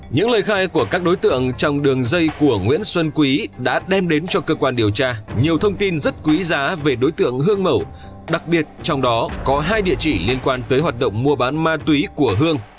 những lời khai của các đối tượng trong đường dây của nguyễn xuân quý đã đem đến cho cơ quan điều tra nhiều thông tin rất quý giá về đối tượng hương mầu đặc biệt trong đó có hai địa chỉ liên quan tới hoạt động mua bán ma túy của hương